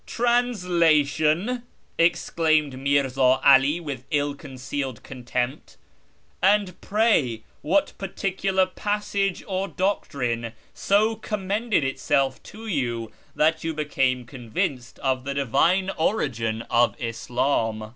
" Translation !" exclaimed Mirzti 'Ali witli ill concealed contempt, " and pray wdiat particular passage or doctrine so commended itself to you that you became convinced of the divine origin of Islam